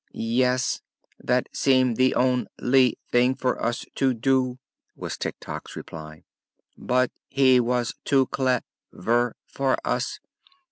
"Yes. That seemed the on ly thing for us to do," was Tik Tok's reply. "But he was too clev er for us.